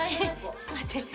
ちょっと待って。